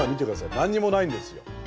何にもないんですよ。